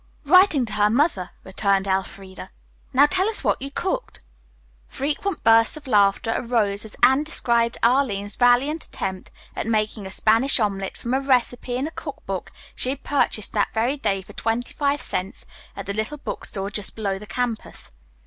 "Writing to her mother," returned Elfreda. "Now tell us what you cooked." Frequent bursts of laughter arose as Anne described Arline's valiant attempt at making a Spanish omelet from a recipe in a cook book she had purchased that very day for twenty five cents at the little book store just below the campus.